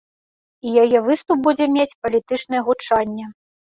І яе выступ будзе мець палітычнае гучанне.